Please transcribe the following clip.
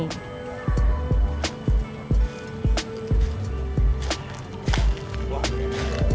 namun sekarang digunakan untuk menjadi rumah warga serta musola bagi para warga yang tinggal disini